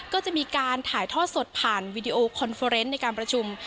ก็จะมีการถ่ายทอดสดผ่านวีดีโอคอนเฟอร์เนสในการประชุม